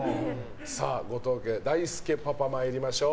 さあ、後藤家の大輔パパ参りましょう。